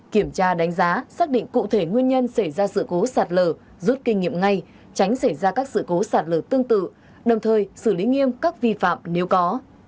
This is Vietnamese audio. kiểm tra đánh giá xác định cụ thể nguyên nhân xảy ra sự cố sạt lở rút kinh nghiệm ngay tránh xảy ra các sự cố sạt lở tương tự đồng thời xử lý nghiêm các vi phạm nếu có